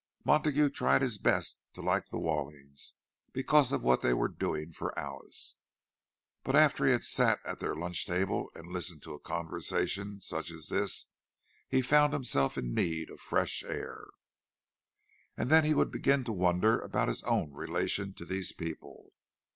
Montague tried his best to like the Wallings, because of what they were doing for Alice; but after he had sat at their lunch table and listened to a conversation such as this, he found himself in need of fresh air. And then he would begin to wonder about his own relation to these people.